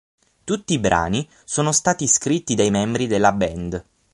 Tutti i brani sono stati scritti dai membri della band.